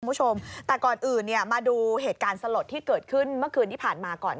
คุณผู้ชมแต่ก่อนอื่นเนี่ยมาดูเหตุการณ์สลดที่เกิดขึ้นเมื่อคืนที่ผ่านมาก่อน